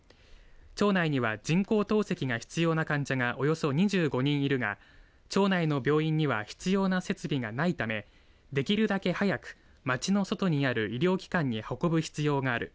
町内には人工透析が必要な患者がおよそ２５人いるが町内の病院には必要な設備がないため、できるだけ早く町の外にある医療機関に運ぶ必要がある。